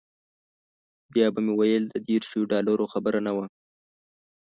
بیا به مې ویل د دیرشو ډالرو خبره نه وه.